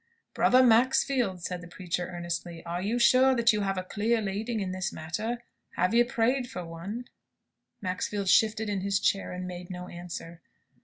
"Brother Maxfield," said the preacher, earnestly, "are you sure that you have a clear leading in this matter? Have you prayed for one?" Maxfield shifted in his chair, and made no answer.